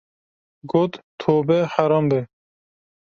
Got, Tobe heram be!